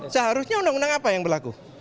seharusnya undang undang apa yang berlaku